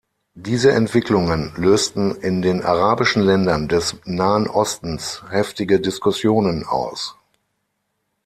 Diese Entwicklungen lösten in den arabischen Ländern des Nahen Ostens heftige Diskussionen aus.